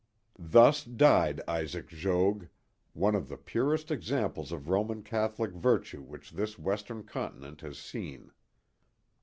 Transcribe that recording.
Thus died Isaac Jogues, one of the purest examples of Roman Catholic virtue which this western continent has seen.